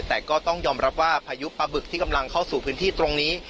แต่ก็ต้องยอมรับว่าพายุปลาบึกที่กำลังเข้าสู่พื้นที่ตรงนี้